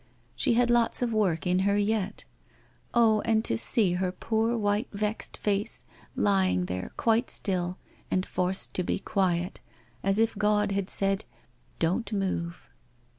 She had lots of work in her yet. Oh, and to see her poor, white, vexed face, lying there, quite still, and forced to be quiet, as if God had said, " Don't move